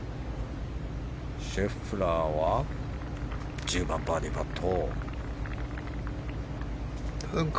シェフラーは１０番、バーディーパット。